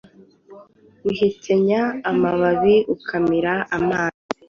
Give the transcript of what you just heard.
uhekenya amababi ukamira amazi